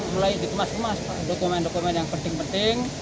mulai dikemas kemas dokumen dokumen yang penting penting